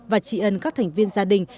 và trị ấn các thành viên gia đình